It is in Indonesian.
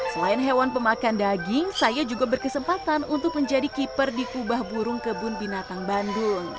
selain hewan pemakan daging saya juga berkesempatan untuk menjadi keeper di kubah burung kebun binatang bandung